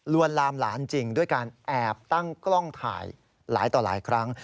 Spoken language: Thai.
ลามหลานจริงด้วยการแอบตั้งกล้องถ่ายหลายต่อหลายครั้ง